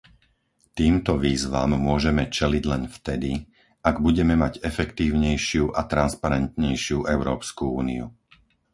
Týmto výzvam môžeme čeliť len vtedy, ak budeme mať efektívnejšiu a transparentnejšiu Európsku úniu.